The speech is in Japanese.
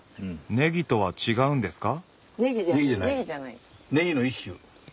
ネギとは違うんですか？